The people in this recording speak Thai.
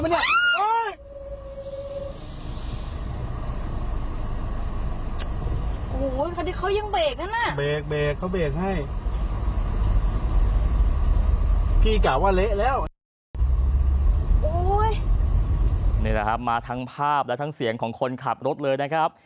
นี่แหละครับมาทั้งภาพและทั้งเสียงของคนขับรถเลยนะครับ